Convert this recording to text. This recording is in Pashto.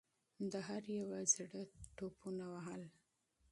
د هر یوه زړه ټوپونه وهل.